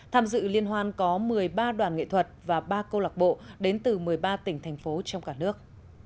tham dự liên hoan có một mươi ba đoàn nghệ thuật và ba câu lạc bộ đến từ một mươi ba tỉnh thành phố trong cả nước